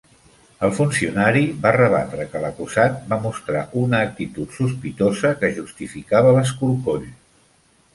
El funcionari va rebatre que l'acusat va mostrar una actitud sospitosa que justificava l'escorcoll.